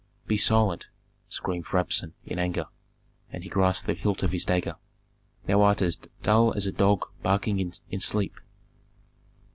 "Be silent!" screamed Rabsun, in anger; and he grasped the hilt of his dagger. "Thou art as dull as a dog barking in sleep."